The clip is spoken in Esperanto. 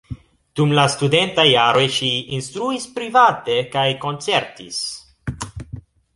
Dum la studentaj jaroj ŝi instruis private kaj koncertis.